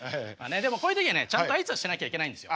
でもこういう時はねちゃんと挨拶しなきゃいけないんですよ。